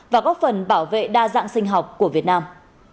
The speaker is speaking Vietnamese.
và góp phần bảo vệ đa dạng sinh học của việt nam